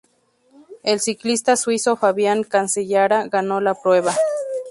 El ciclista suizo Fabian Cancellara ganó la prueba.